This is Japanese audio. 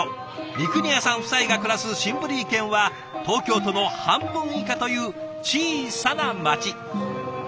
三国谷さん夫妻が暮らすシンブリー県は東京都の半分以下という小さな街。